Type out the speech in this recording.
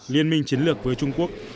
liên minh chiến lược với trung quốc